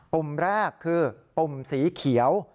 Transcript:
ปุ่มแรกคือปุ่มสีเขียว